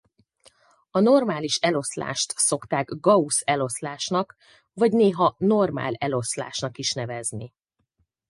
A normális eloszlást szokták Gauss-eloszlásnak vagy néha normál eloszlásnak is nevezni.